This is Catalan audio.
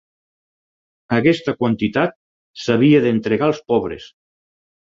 Aquesta quantitat s'havia d'entregar als pobres.